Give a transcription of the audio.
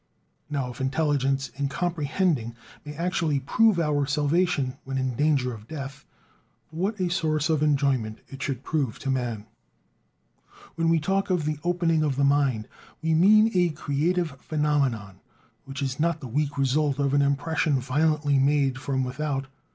Now if intelligence in "comprehending" may actually prove our salvation when in danger of death, what a source of enjoyment it should prove to man! When we talk of "the opening of the mind," we mean a creative phenomenon, which is not the weak result of an impression violently made from without.